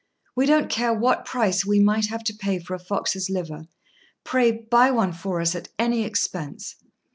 We don't care what price we might have to pay for a fox's liver; pray, buy one for us at any expense."